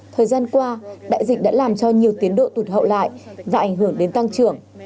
thời gian qua đại dịch đã làm cho nhiều tiến độ tụt hậu lại và ảnh hưởng đến tăng trưởng